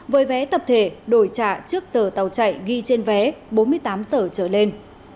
với vé tập thể đổi trả trước giờ tàu chạy ghi trên vé bốn mươi tám giờ trở lên